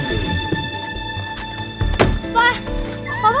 siapa disini ana saja